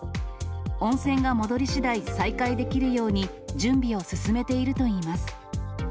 温泉が戻りしだい再開できるように準備を進めているといいます。